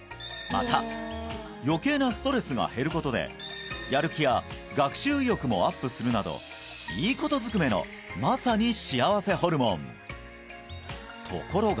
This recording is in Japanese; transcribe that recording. また余計なストレスが減ることでやる気や学習意欲もアップするなどいいことずくめのまさに幸せホルモン！